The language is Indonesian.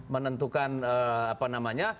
menentukan apa namanya